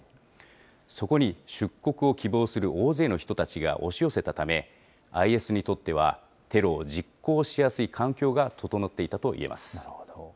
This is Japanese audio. そこに出国を希望する大勢の人たちが押し寄せたため、ＩＳにとっては、テロを実行しやすい環境が整っていたといえます。